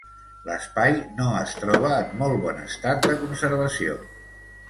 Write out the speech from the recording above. L'espai no es troba en molt bon estat de conservació.